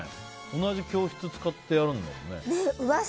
同じ教室を使ってやるんだもんね。